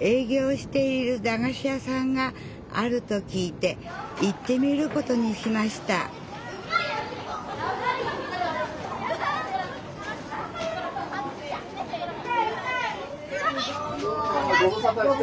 営業しているだがし屋さんがあると聞いて行ってみることにしましたどうも。